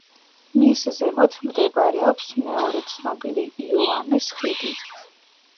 მის ზემოთ მდებარეობს მეორე ცნობილი იოანეს ხიდი.